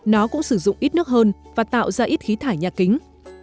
nó cũng sử dụng ít nước hơn và tạo ra ít khí thải nhà kính